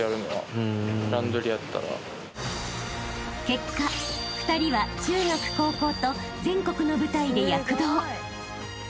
［結果２人は中学高校と全国の舞台で躍動］